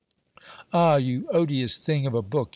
Ah ! you odious thing of a book